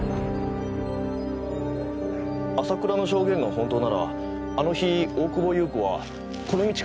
朝倉の証言が本当ならあの日大久保優子はこの道から出てきた。